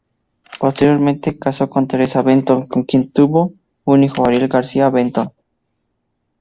Posteriormente casó con Teresa Benton con quien tuvo un hijo: Ariel García Benton.